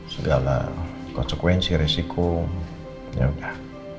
segala konsekuensi resiko ya udah